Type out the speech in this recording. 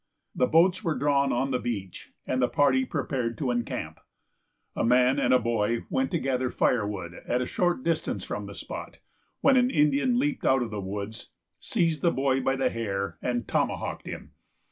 The boats were drawn on the beach, and the party prepared to encamp. A man and a boy went to gather firewood at a short distance from the spot, when an Indian leaped out of the woods, seized the boy by the hair, and tomahawked him.